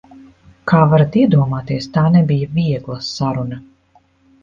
Kā varat iedomāties, tā nebija viegla saruna.